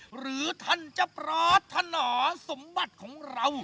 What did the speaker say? หรือท่านจะปรารถนาสมบัติของเรา